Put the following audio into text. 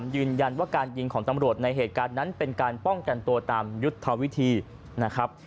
ยืนยันว่าการยิงของตำรวจในเหตุการณ์นั้นเป็นการป้องกันตัวตามยุทธวิธีนะครับ